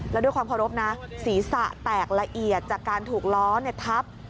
แล้วด้วยความเคารพนะศีรษะแตกละเอียดจากการถูกล้อทับ